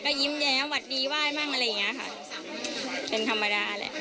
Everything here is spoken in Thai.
ก็ยิ้มแย้มวัดดี้ว่ายมากอะไรอย่างงี้ค่ะเป็นธรรมาณแหละ